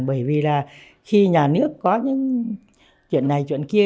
bởi vì là khi nhà nước có những chuyện này chuyện kia